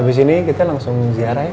abis ini kita langsung ziarah ya